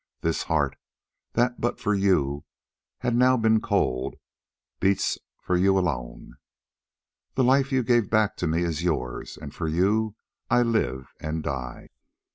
This heart, that but for you had now been cold, beats for you alone. The life you gave back to me is yours, and for you I live and die."